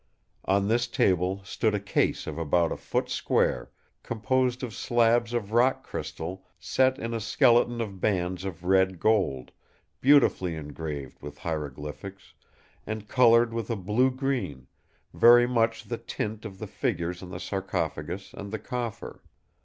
On this table stood a case of about a foot square composed of slabs of rock crystal set in a skeleton of bands of red gold, beautifully engraved with hieroglyphics, and coloured with a blue green, very much the tint of the figures on the sarcophagus and the coffer.